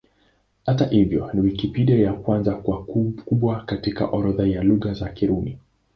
Hata hivyo, ni Wikipedia ya kwanza kwa ukubwa katika orodha ya Lugha za Kirumi.